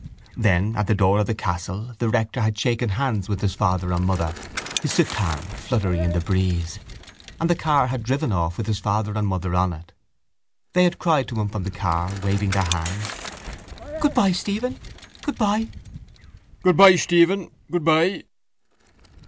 Then at the door of the castle the rector had shaken hands with his father and mother, his soutane fluttering in the breeze, and the car had driven off with his father and mother on it. They had cried to him from the car, waving their hands: —Goodbye, Stephen, goodbye! —Goodbye, Stephen, goodbye!